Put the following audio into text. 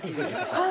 はい。